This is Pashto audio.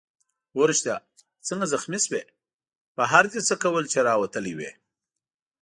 هو ریښتیا څنګه زخمي شوې؟ بهر دې څه کول چي راوتی وې؟